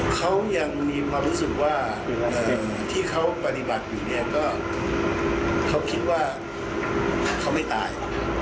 เขายังมีความรู้สึกว่าที่เขาปฏิบัติอยู่เนี่ยก็เขาคิดว่าเขาไม่ตาย